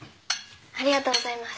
ありがとうございます。